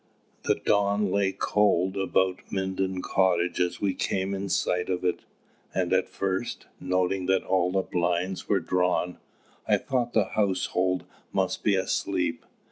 The dawn lay cold about Minden Cottage as we came in sight of it; and at first, noting that all the blinds were drawn, I thought the household must be asleep.